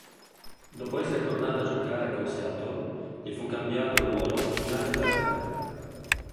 Dopo essere tornato a giocare con Seattle gli fu cambiato ruolo in linebacker.